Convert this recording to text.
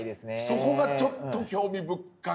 そこがちょっと興味深くて。